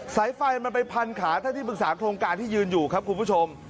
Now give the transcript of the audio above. สายไฟมันไปพันขาท่านที่ปรึกษาโครงการที่ยืนอยู่ครับคุณผู้ชม